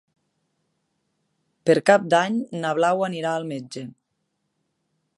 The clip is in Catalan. Per Cap d'Any na Blau anirà al metge.